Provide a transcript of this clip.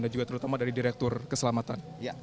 dan juga terutama dari direktur keselamatan